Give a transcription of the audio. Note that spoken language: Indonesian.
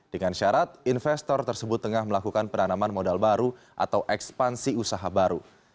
dengan syarat investor tersebut tengah melakukan penanaman modal baru atau ekspansi usaha baru